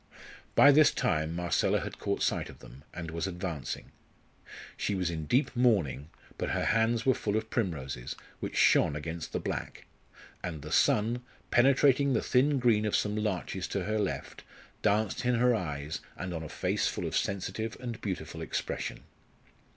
By this time Marcella had caught sight of them, and was advancing. She was in deep mourning, but her hands were full of primroses, which shone against the black; and the sun, penetrating the thin green of some larches to her left, danced in her eyes and on a face full of sensitive and beautiful expression.